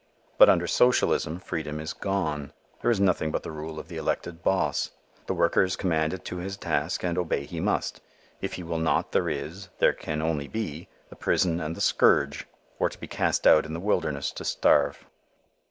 But under socialism freedom is gone. There is nothing but the rule of the elected boss. The worker is commanded to his task and obey he must. If he will not, there is, there can only be, the prison and the scourge, or to be cast out in the wilderness to starve.